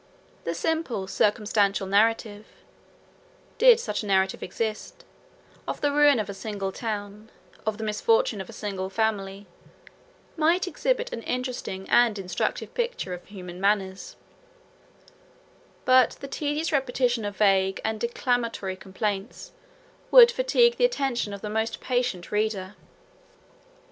The simple circumstantial narrative (did such a narrative exist) of the ruin of a single town, of the misfortunes of a single family, 100 might exhibit an interesting and instructive picture of human manners: but the tedious repetition of vague and declamatory complaints would fatigue the attention of the most patient reader.